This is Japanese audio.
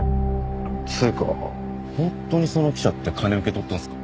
つうか本当にその記者って金受け取ったんすか？